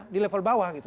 di level bawah gitu